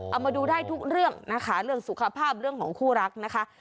เอามาดูได้ทุกเรื่องนะคะเรื่องสุขภาพเรื่องของคู่รักนะคะ